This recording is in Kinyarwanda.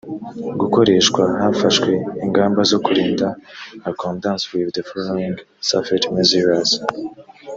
gukoreshwa hafashwe ingamba zo kurinda accordance with the following safety measures